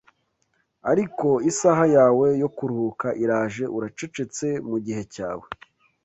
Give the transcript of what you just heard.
ariko isaha yawe yo kuruhuka iraje, uracecetse mugihe cyawe